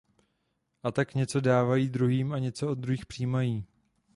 A tak něco dávají druhým a něco od druhých přijímají.